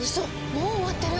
もう終わってる！